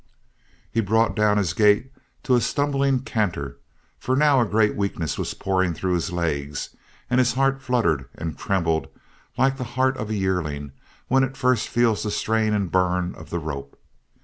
He brought down his gait to a stumbling canter for now a great weakness was pouring through his legs and his heart fluttered and trembled like the heart of a yearling when it first feels the strain and burn of the rope.